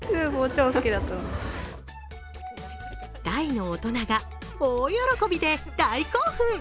大の大人が、大喜びで大興奮。